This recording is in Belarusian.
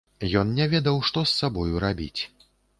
Ён не ведаў, што з сабою рабіць.